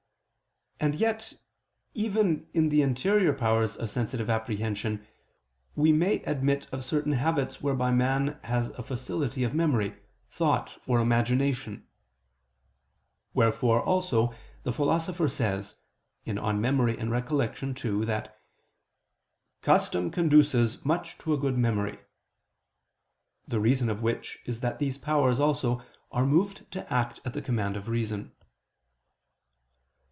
And yet even in the interior powers of sensitive apprehension, we may admit of certain habits whereby man has a facility of memory, thought or imagination: wherefore also the Philosopher says (De Memor. et Remin. ii) that "custom conduces much to a good memory": the reason of which is that these powers also are moved to act at the command of the reason.